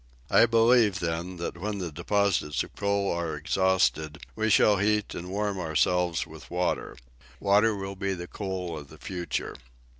I believe, then, that when the deposits of coal are exhausted we shall heat and warm ourselves with water. Water will be the coal of the future."